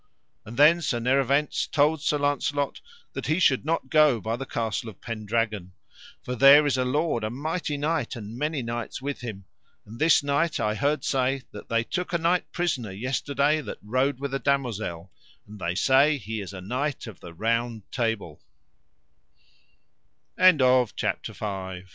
And then Sir Nerovens told Sir Launcelot that he should not go by the Castle of Pendragon: For there is a lord, a mighty knight, and many knights with him, and this night I heard say that they took a knight prisoner yesterday that rode with a damosel, and they say he is a Knight of the R